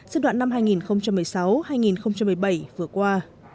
giai đoạn năm hai nghìn một mươi sáu hai nghìn một mươi bảy vừa qua